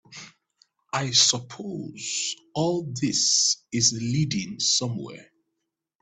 I suppose all this is leading somewhere?